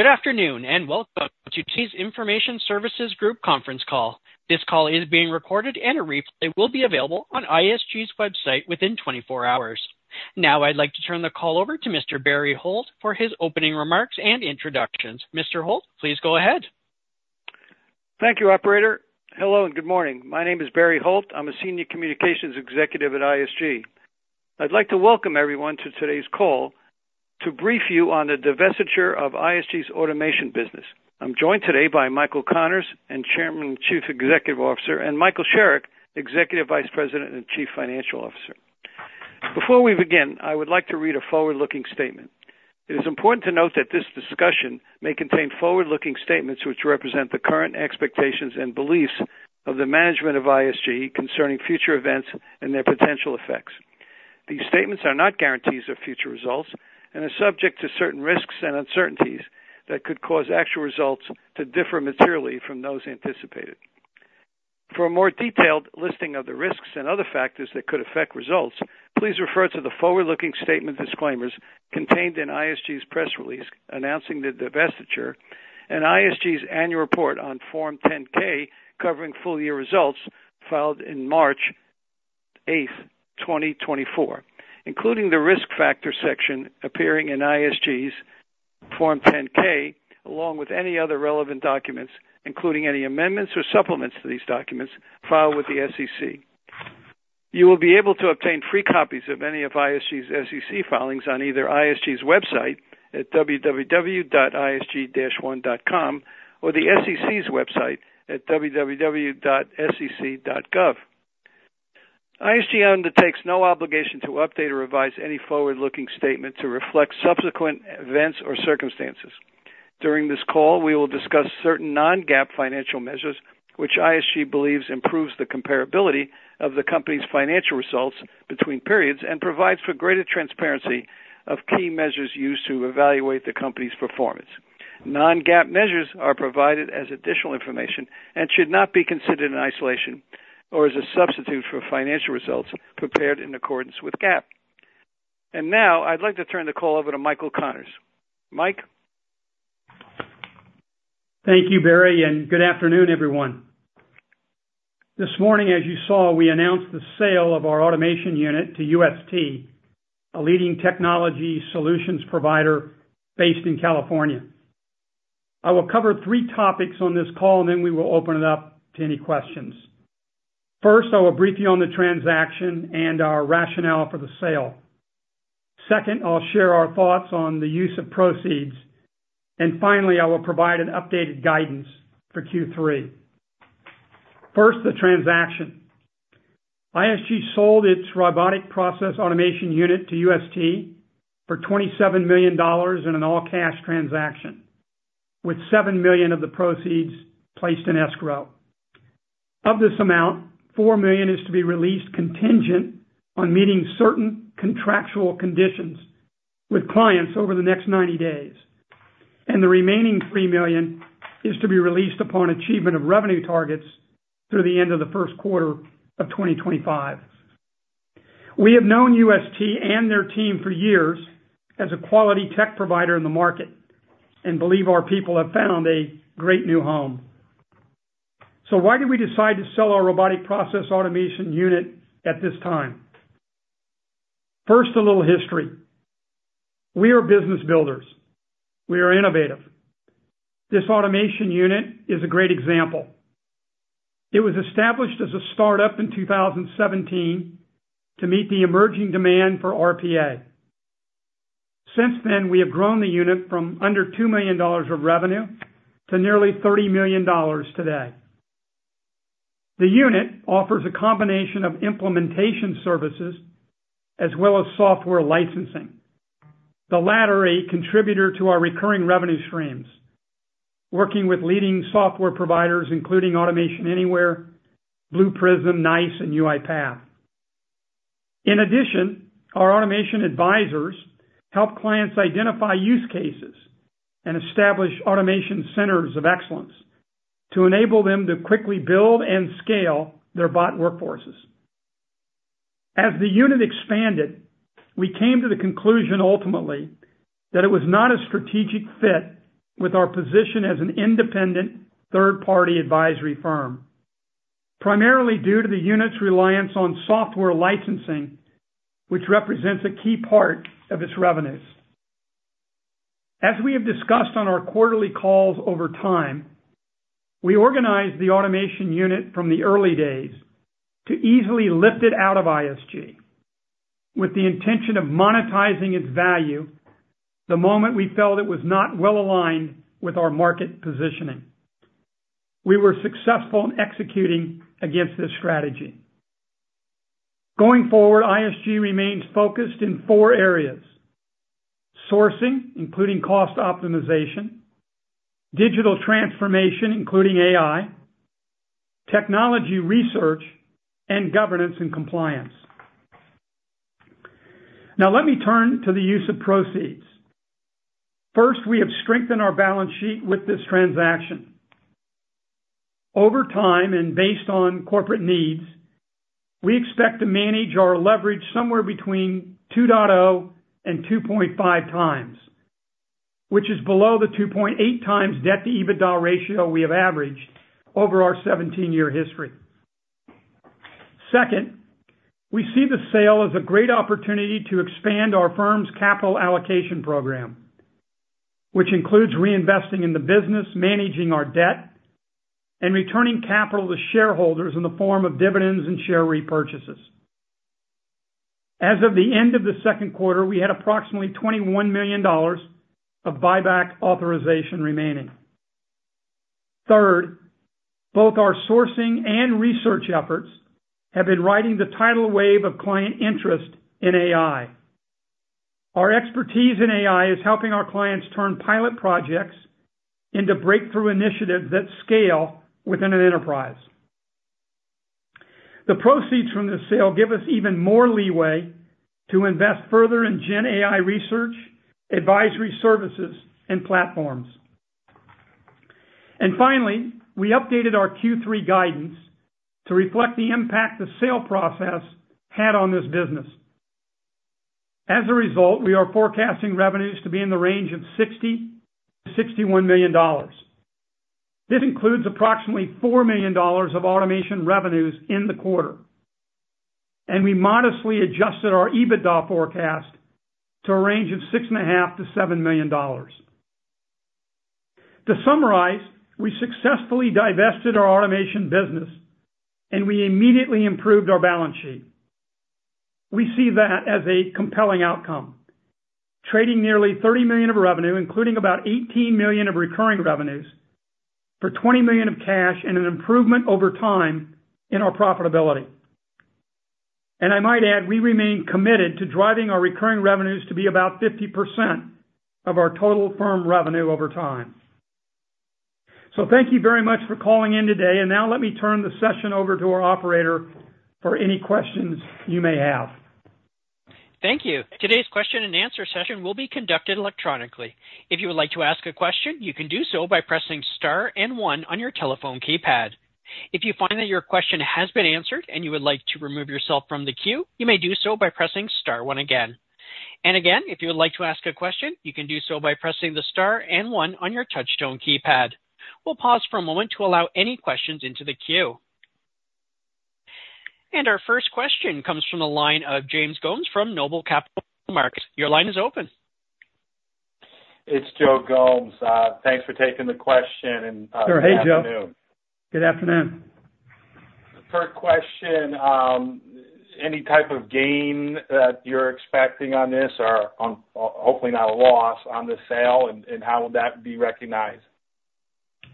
Good afternoon, and welcome to today's Information Services Group Conference Call. This call is being recorded, and a replay will be available on ISG's website within twenty-four hours. Now, I'd like to turn the call over to Mr. Barry Holt for his opening reMarcs and introductions. Mr. Holt, please go ahead. Thank you, operator. Hello, and good morning. My name is Barry Holt. I'm a Senior Communications Executive at ISG. I'd like to welcome everyone to today's call to brief you on the divestiture of ISG's automation business. I'm joined today by Michael Connors, Chairman and Chief Executive Officer, and Michael Sherrick, Executive Vice President and Chief Financial Officer. Before we begin, I would like to read a forward-looking statement. It is important to note that this discussion may contain forward-looking statements, which represent the current expectations and beliefs of the management of ISG concerning future events and their potential effects. These statements are not guarantees of future results and are subject to certain risks and uncertainties that could cause actual results to differ materially from those anticipated. For a more detailed listing of the risks and other factors that could affect results, please refer to the forward-looking statement disclaimers contained in ISG's press release announcing the divestiture and ISG's annual report on Form 10-K, covering full-year results filed in March 8th, twenty twenty-four, including the Risk Factors section appearing in ISG's Form 10-K, along with any other relevant documents, including any amendments or supplements to these documents, filed with the SEC. You will be able to obtain free copies of any of ISG's SEC filings on either ISG's website at www.isg-one.com, or the SEC's website at www.sec.gov. ISG undertakes no obligation to update or revise any forward-looking statement to reflect subsequent events or circumstances. During this call, we will discuss certain Non-GAAP financial measures, which ISG believes improves the comparability of the company's financial results between periods and provides for greater transparency of key measures used to evaluate the company's performance. Non-GAAP measures are provided as additional information and should not be considered in isolation or as a substitute for financial results prepared in accordance with GAAP. And now, I'd like to turn the call over to Michael Connors. Mike? Thank you, Barry, and good afternoon, everyone. This morning, as you saw, we announced the sale of our automation unit to UST, a leading technology solutions provider based in California. I will cover three topics on this call, and then we will open it up to any questions. First, I will brief you on the transaction and our rationale for the sale. Second, I'll share our thoughts on the use of proceeds. And finally, I will provide an updated guidance for Q3. First, the transaction. ISG sold its robotic process automation unit to UST for $27 million in an all-cash transaction, with $7 million of the proceeds placed in escrow. Of this amount, $4 million is to be released contingent on meeting certain contractual conditions with clients over the next 90 days, and the remaining $3 million is to be released upon achievement of revenue targets through the end of the first quarter of 2025. We have known UST and their team for years as a quality tech provider in the Marcet and believe our people have found a great new home. So why did we decide to sell our robotic process automation unit at this time? First, a little history. We are business builders. We are innovative. This automation unit is a great example. It was established as a startup in 2017 to meet the emerging demand for RPA. Since then, we have grown the unit from under $2 million of revenue to nearly $30 million today. The unit offers a combination of implementation services as well as software licensing. The latter, a contributor to our recurring revenue streams, working with leading software providers, including Automation Anywhere, Blue Prism, NICE, and UiPath. In addition, our automation advisors help clients identify use cases and establish automation centers of excellence to enable them to quickly build and scale their bot workforces. As the unit expanded, we came to the conclusion, ultimately, that it was not a strategic fit with our position as an independent third-party advisory firm, primarily due to the unit's reliance on software licensing, which represents a key part of its revenues. As we have discussed on our quarterly calls over time, we organized the automation unit from the early days to easily lift it out of ISG with the intention of monetizing its value the moment we felt it was not well aligned with our Marcet positioning. We were successful in executing against this strategy. Going forward, ISG remains focused in four areas: sourcing, including cost optimization, digital transformation, including AI, technology research, and governance and compliance. Now, let me turn to the use of proceeds. First, we have strengthened our balance sheet with this transaction. Over time, and based on corporate needs, we expect to manage our leverage somewhere between two point zero and two point five times, which is below the two point eight times debt to EBITDA ratio we have averaged over our 17 year history. Second, we see the sale as a great opportunity to expand our firm's capital allocation program, which includes reinvesting in the business, managing our debt, and returning capital to shareholders in the form of dividends and share repurchases. As of the end of the second quarter, we had approximately $21 million of buyback authorization remaining. Third, both our sourcing and research efforts have been riding the tidal wave of client interest in AI. Our expertise in AI is helping our clients turn pilot projects into breakthrough initiatives that scale within an enterprise. The proceeds from this sale give us even more leeway to invest further in Gen AI research, advisory services, and platforms, and finally, we updated our Q3 guidance to reflect the impact the sale process had on this business. As a result, we are forecasting revenues to be in the range of $60-$61 million. This includes approximately $4 million of automation revenues in the quarter, and we modestly adjusted our EBITDA forecast to a range of $6.5-$7 million. To summarize, we successfully divested our automation business, and we immediately improved our balance sheet. We see that as a compelling outcome, trading nearly $30 million of revenue, including about $18 million of recurring revenues, for $20 million of cash and an improvement over time in our profitability. And I might add, we remain committed to driving our recurring revenues to be about 50% of our total firm revenue over time. So thank you very much for calling in today. And now let me turn the session over to our operator for any questions you may have. Thank you. Today's question-and-answer session will be conducted electronically. If you would like to ask a question, you can do so by pressing star and one on your telephone keypad. If you find that your question has been answered and you would like to remove yourself from the queue, you may do so by pressing star one again. And again, if you would like to ask a question, you can do so by pressing the star and one on your touchtone keypad. We'll pause for a moment to allow any questions into the queue. And our first question comes from the line of Joe Gomes from Noble Capital Markets. Your line is open. It's Joe Gomes. Thanks for taking the question and, good afternoon. Hey, Joe. Good afternoon. Third question. Any type of gain that you're expecting on this or on, hopefully, not a loss on the sale, and how would that be recognized?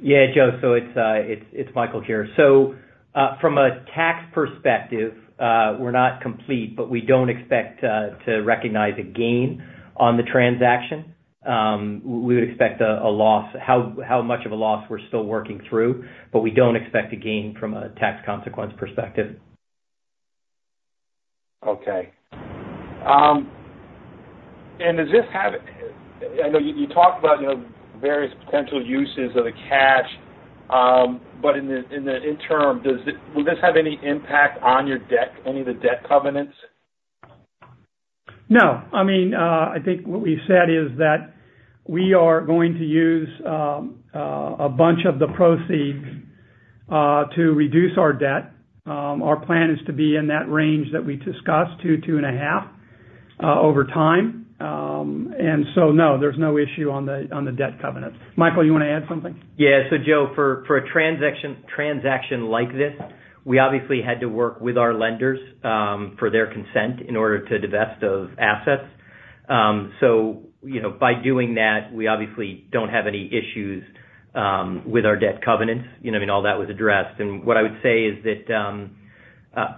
Yeah, Joe, so it's Michael here. So, from a tax perspective, we're not complete, but we don't expect to recognize a gain on the transaction. We would expect a loss. How much of a loss we're still working through, but we don't expect a gain from a tax consequence perspective. Okay. And does this have. I know you talked about, you know, various potential uses of the cash, but in the interim, will this have any impact on your debt, any of the debt covenants? No. I mean, I think what we said is that we are going to use a bunch of the proceeds to reduce our debt. Our plan is to be in that range that we discussed, 2-2.5, over time. And so, no, there's no issue on the debt covenants. Michael, you wanna add something? Yeah. So Joe, for a transaction like this, we obviously had to work with our lenders for their consent in order to divest of assets. So, you know, by doing that, we obviously don't have any issues with our debt covenants. You know, I mean, all that was addressed. And what I would say is that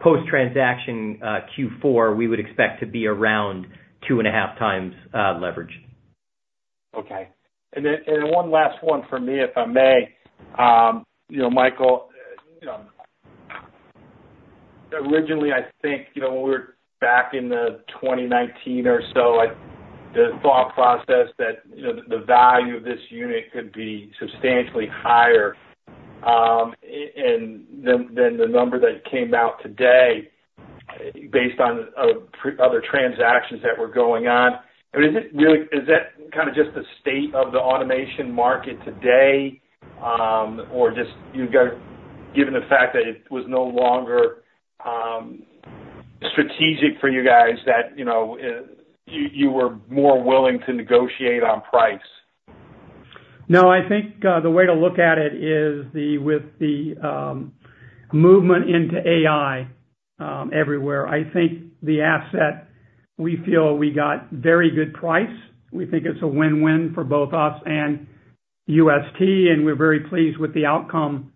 post-transaction, Q4, we would expect to be around two and a half times leverage. Okay. And then one last one for me, if I may. You know, Michael, you know, originally, I think, you know, when we were back in the twenty nineteen or so, like, the thought process that, you know, the value of this unit could be substantially higher than the number that came out today based on other transactions that were going on. I mean, is it really? Is that kind of just the state of the automation Marcet today, or given the fact that it was no longer strategic for you guys, that, you know, you were more willing to negotiate on price? No, I think the way to look at it is with the movement into AI everywhere. I think the asset, we feel we got very good price. We think it's a win-win for both us and UST, and we're very pleased with the outcome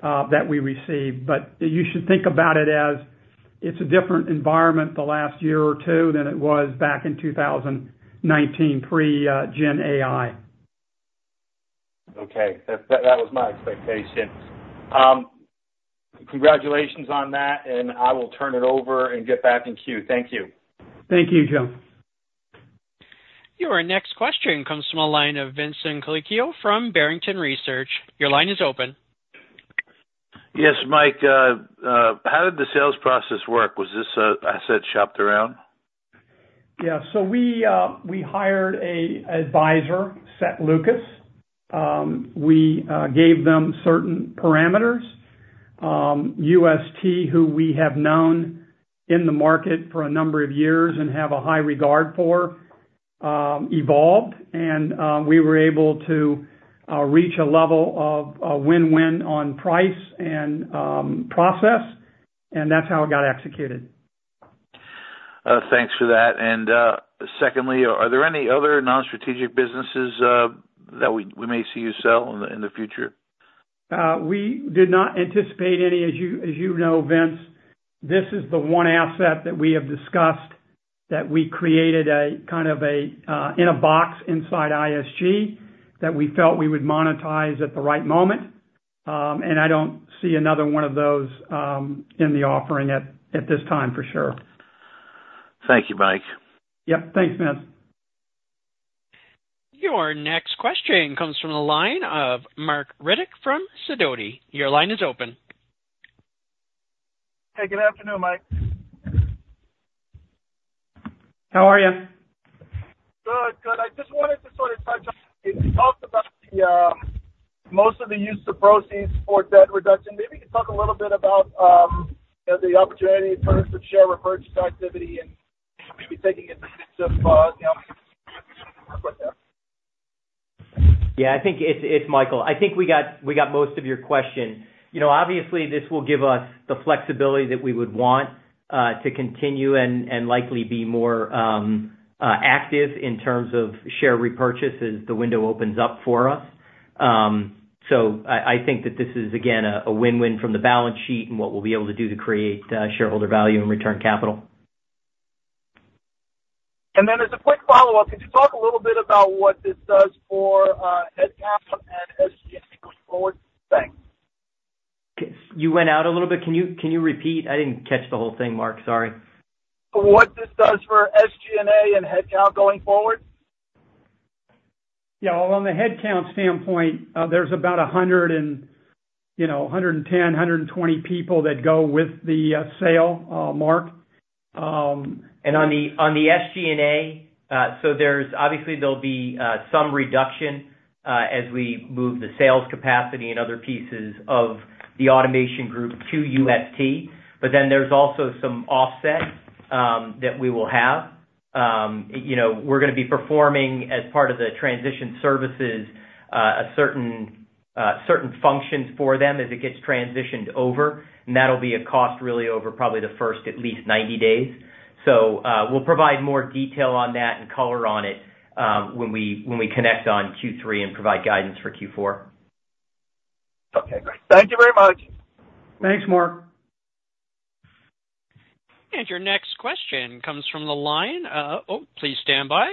that we received. But you should think about it as it's a different environment the last year or two than it was back in two thousand nineteen, pre Gen AI. Okay. That was my expectation. Congratulations on that, and I will turn it over and get back in queue. Thank you. Thank you, Joe. Your next question comes from the line of Vincent Colicchio from Barrington Research. Your line is open. Yes, Mike, how did the sales process work? Was this an asset shopped around? Yeah, so we hired an advisor, Seth Lucas. We gave them certain parameters. UST, who we have known in the Marcet for a number of years and have a high regard for, evolved, and we were able to reach a level of a win-win on price and process, and that's how it got executed. Thanks for that. And, secondly, are there any other non-strategic businesses that we may see you sell in the future? We did not anticipate any. As you know, Vince, this is the one asset that we have discussed, that we created a kind of a in a box inside ISG, that we felt we would monetize at the right moment. And I don't see another one of those in the offering at this time for sure. Thank you, Mike. Yep, thanks, Vince. Your next question comes from the line of Marc Riddick from Sidoti. Your line is open. Hey, good afternoon, Mike. How are you? Good, good. I just wanted to sort of touch on, you talked about the most of the use of proceeds for debt reduction. Maybe you could talk a little bit about the opportunity in terms of share repurchase activity and maybe taking advantage of, you know, with that. Yeah, I think it's Michael. I think we got most of your question. You know, obviously, this will give us the flexibility that we would want to continue and likely be more active in terms of share repurchases. The window opens up for us. So I think that this is, again, a win-win from the balance sheet and what we'll be able to do to create shareholder value and return capital. And then, as a quick follow-up, could you talk a little bit about what this does for headcount and SG going forward? Thanks. You went out a little bit. Can you, can you repeat? I didn't catch the whole thing, Marc. Sorry. What this does for SG&A and headcount going forward? Yeah, well, on the headcount standpoint, there's about a hundred and, you know, hundred and ten, hundred and twenty people that go with the sale, Marc. And on the SG&A, so there's obviously there'll be some reduction as we move the sales capacity and other pieces of the automation group to UST. But then there's also some offset that we will have. You know, we're gonna be performing as part of the transition services a certain functions for them as it gets transitioned over, and that'll be a cost really over probably the first at least ninety days. So, we'll provide more detail on that and color on it, when we connect on Q3 and provide guidance for Q4. Okay, great. Thank you very much. Thanks, Marc. And your next question comes from the line. Oh, please stand by.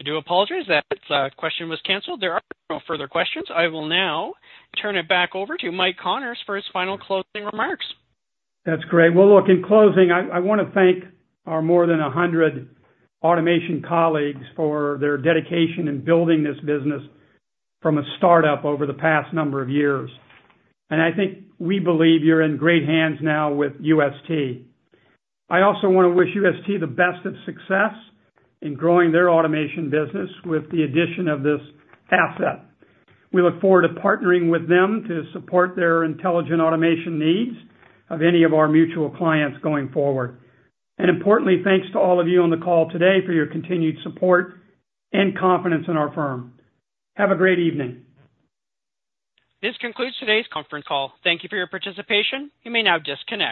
I do apologize that question was canceled. There are no further questions. I will now turn it back over to Mike Connors for his final closing remarks. That's great. Well, look, in closing, I wanna thank our more than a hundred automation colleagues for their dedication in building this business from a startup over the past number of years. And I think we believe you're in great hands now with UST. I also want to wish UST the best of success in growing their automation business with the addition of this asset. We look forward to partnering with them to support their intelligent automation needs of any of our mutual clients going forward. And importantly, thanks to all of you on the call today for your continued support and confidence in our firm. Have a great evening. This concludes today's conference call. Thank you for your participation. You may now disconnect.